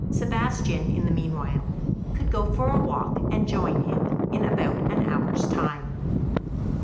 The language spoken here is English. Sebastian in the meanwhile could go for a walk, and join him in about an hour's time.